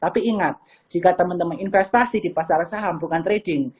tapi ingat jika teman teman investasi di pasar saham bukan trading